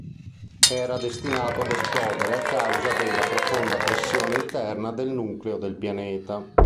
Era destinato ad esplodere a causa della profonda pressione interna del nucleo del pianeta.